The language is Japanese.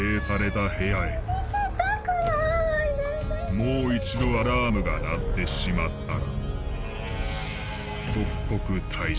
もう一度アラームが鳴ってしまったら即刻退場。